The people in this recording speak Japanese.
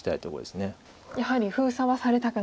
やはり封鎖はされたくない。